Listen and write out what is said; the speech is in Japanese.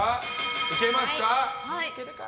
いけますか？